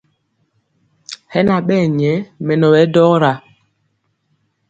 Hɛ na ɓɛɛ nyɛ mɛnɔ ɓɛ dɔra.